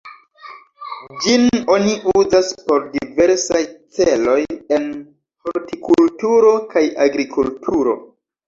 Ĝin oni uzas por diversaj celoj en hortikulturo kaj agrikulturo.